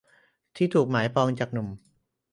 ที่ถูกหมายปองจากหนุ่ม